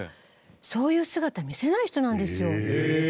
そういう姿見せない人なんですよ。へえ！